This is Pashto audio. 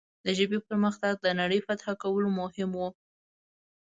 د ژبې پرمختګ د نړۍ فتح کولو کې مهم و.